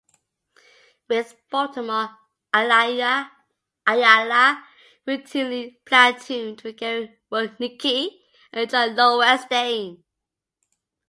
With Baltimore, Ayala routinely platooned with Gary Roenicke and John Lowenstein.